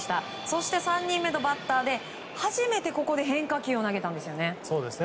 そして３人目のバッターで初めてここで変化球を投げたんです。